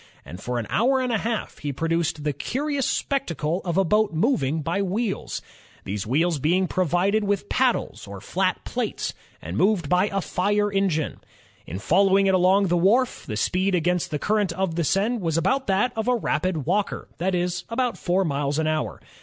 . and for an hour and a half he produced the curious spectacle of a boat moved by wheels, ... these wheels being pro vided with paddles or flat plates, and moved by a fire engine. In following it along the wharf, the speed against the current of the Seine was about that of a rapid walker, that is, about four miles an hour.